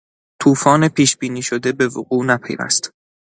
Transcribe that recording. توفان پیش بینی شده به وقوع نپیوست.